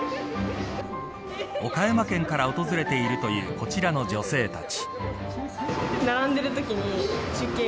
岡山県から訪れているというこちらの女性たち。